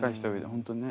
本当にね。